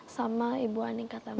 sama ibu anika